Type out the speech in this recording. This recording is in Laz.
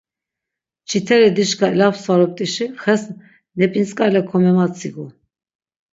Çiteri dişka elapsvarupt̆işi xes nap̆intzk̆ale komematsigu.